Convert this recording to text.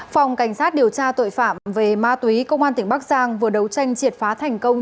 phòng cảnh sát điều tra tội phạm về ma túy công an tỉnh bắc giang vừa đấu tranh triệt phá thành công